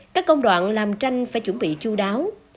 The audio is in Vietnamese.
các công đoạn làm tranh phải chuẩn bị chú đáo